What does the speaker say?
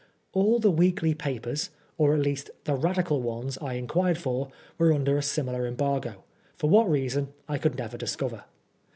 All the weekly papers, or at least the Radical ones I inquired for, were under a similar embargo, for what reason I could never discover.